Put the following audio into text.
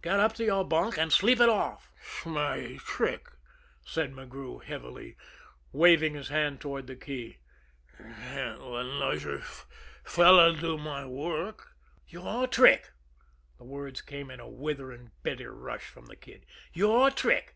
"Get up to your bunk and sleep it off." "S'my trick," said McGrew heavily, waving his hand toward the key. "Can't let nusher fellow do my work." "Your trick!" The words came in a withering, bitter rush from the Kid. "Your trick!